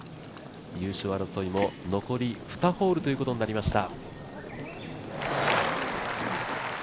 優勝争いも残り２ホールということになりました。